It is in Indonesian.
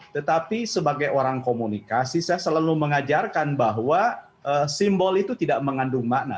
tetapi sebagai orang komunikasi saya selalu mengajarkan bahwa simbol itu tidak mengandung makna